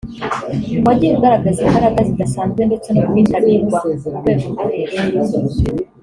wagiye ugaragaza imbaraga zidasanzwe ndetse no kwitabirwa ku rwego rwo hejuru